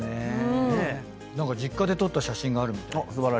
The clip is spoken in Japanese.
何か実家で撮った写真があるみたいです。